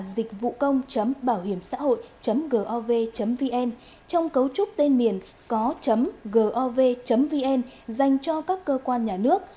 dịchvucong baohiemxahoi gov vn trong cấu trúc tên miền có gov vn dành cho các cơ quan nhà nước